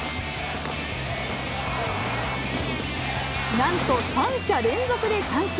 なんと３者連続で三振。